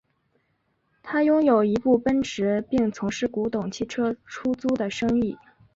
他拥有一部奔驰并从事古董汽车出租的生意。